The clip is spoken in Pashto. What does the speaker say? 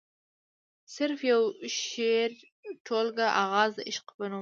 صرف يوه شعري ټولګه “اغاز َد عشق” پۀ نوم